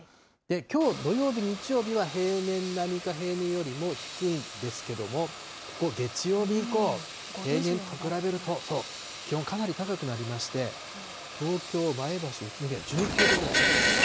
きょう土曜日、日曜日は平年並みか、平年よりも低いですけれども、ここ、月曜日以降、平年と比べると、気温、かなり高くなりまして、東京、前橋、宇都宮、１９度ぐらすごい。